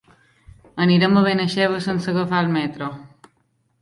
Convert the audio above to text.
Anirem a Benaixeve sense agafar el metro.